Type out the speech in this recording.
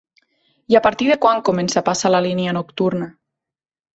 I a partir de quan comença a passar la línia nocturna?